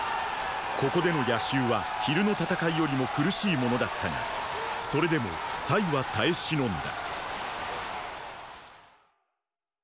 ここでの夜襲は昼の戦いよりも苦しいものだったがそれでもは耐えしのんだ。